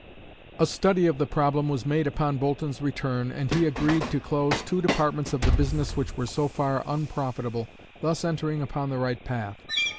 A study of the problem was made upon Boulton's return and he agreed to close two departments of the business which were so far unprofitable, thus entering upon the right path.